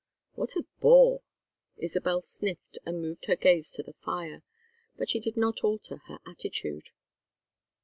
"What a bore." Isabel sniffed, and moved her gaze to the fire. But she did not alter her attitude.